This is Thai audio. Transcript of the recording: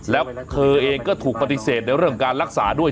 แล้วเธอเองก็ถูกปฏิเสธในเรื่องการรักษาด้วย